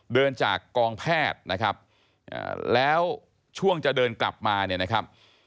เดินจากกองแพทย์นะครับแล้วช่วงจะเดินกลับมาเนี่ยนะครับ